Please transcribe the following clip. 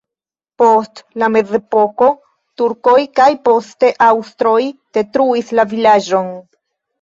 Post la mezepoko turkoj kaj poste aŭstroj detruis la vilaĝon.